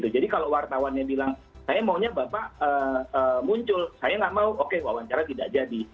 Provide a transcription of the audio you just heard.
jadi kalau wartawannya bilang saya maunya bapak muncul saya nggak mau oke mewawancara tidak jadi